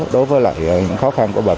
để giải quyết